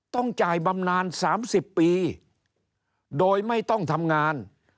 ต้องจ่ายบำนาน๓๐ปีโดยไม่ต้องทำงาน